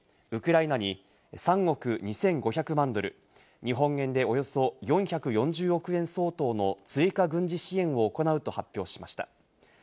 こうした中、アメリカのバイデン政権は１９日、ウクライナに３億２５００万ドル、日本円でおよそ４４０億円相当の追加軍事支援を行うと発表しました。